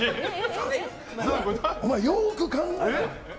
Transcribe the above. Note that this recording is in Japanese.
お前、よーく考えろ。